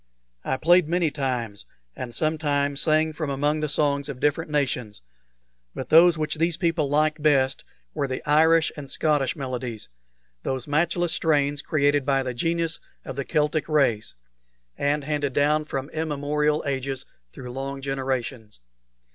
I played many times, and sometimes sang from among the songs of different nations; but those which these people liked best were the Irish and Scottish melodies those matchless strains created by the genius of the Celtic race, and handed down from immemorial ages through long generations.